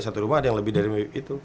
satu rumah ada yang lebih dari itu